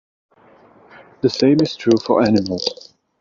The same is true for animals.